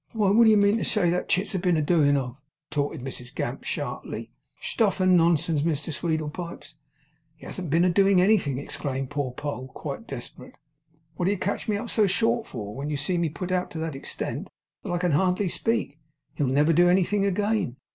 'Why, wot do you mean to say that chit's been a doin' of?' retorted Mrs Gamp, sharply. 'Stuff and nonsense, Mrs Sweedlepipes!' 'He hasn't been a doing anything!' exclaimed poor Poll, quite desperate. 'What do you catch me up so short for, when you see me put out to that extent that I can hardly speak? He'll never do anything again.